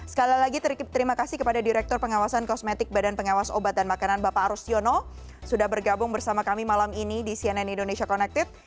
sekali lagi terima kasih kepada direktur pengawasan kosmetik badan pengawas obat dan makanan bapak arustiono sudah bergabung bersama kami malam ini di cnn indonesia connected